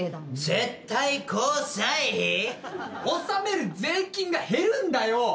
接待交際費⁉納める税金が減るんだよ。